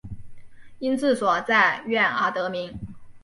因治所在宛而得名。